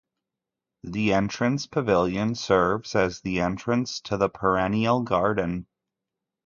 The entrance pavilion serves as the entrance to the perennial garden.